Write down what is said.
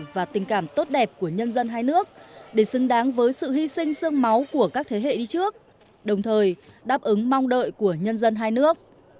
và tình cảm tốt đẹp của nhân dân hai nước để xứng đáng với sự hy sinh sương máu của các thế hệ đi trước đồng thời đáp ứng mong đợi của nhân dân hai nước